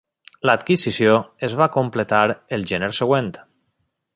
L'adquisició es va completar el gener següent.